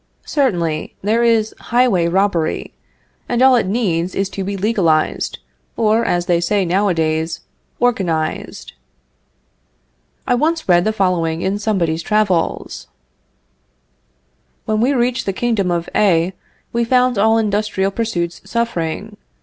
Certainly, there is highway robbery, and all it needs is to be legalized, or, as they say now a days, organized. I once read the following in somebody's travels: "When we reached the Kingdom of A we found all industrial pursuits suffering.